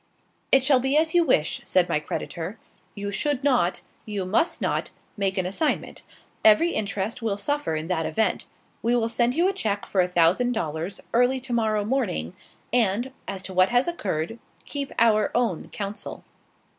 "It shall be as you wish," said my creditor. "You should not, you must not, make an assignment; every interest will suffer in that event. We will send you a check for a thousand dollars early to morrow morning, and, as to what has occurred, keep our own counsel."